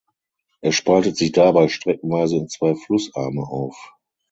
Er spaltet sich dabei streckenweise in zwei Flussarme auf.